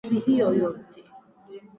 Hakuwa ametumwa Rwanda kupambana na watu wale